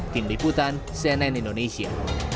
tim liputan cnn indonesia